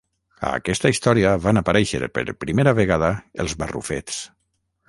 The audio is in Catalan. A aquesta història van aparèixer per primera vegada els barrufets.